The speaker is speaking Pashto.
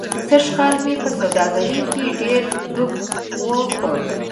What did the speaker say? سږ کال مې په سوادګرۍ کې ډېر ډب و خوړ.